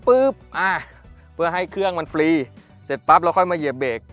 เพื่อให้เครื่องมันฟรีเสร็จปั๊บแล้วค่อยมาเหยียบเบรก